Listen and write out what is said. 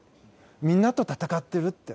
みんなと戦ってるって。